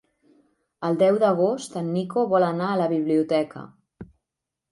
El deu d'agost en Nico vol anar a la biblioteca.